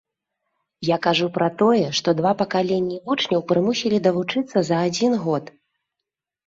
Я кажу пра тое, што два пакаленні вучняў прымусілі давучыцца за адзін год.